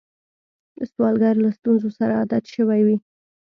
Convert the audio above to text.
سوالګر له ستونزو سره عادت شوی وي